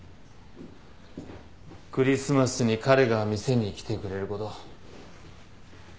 クリスマスに彼が店に来てくれること。